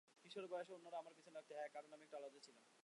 কিশোর বয়সে অন্যরা আমার পিছনে লাগত, হ্যাঁ, কারণ আমি একটু আলাদা ছিলাম।